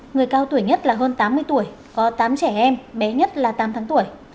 người cao tuổi nhất là hơn tám mươi tuổi có tám trẻ em bé nhất là tám tháng tuổi